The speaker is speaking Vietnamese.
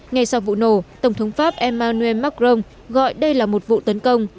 ngay sau vụ nổ tổng thống pháp emmanuel macron gọi đây là một vụ tấn công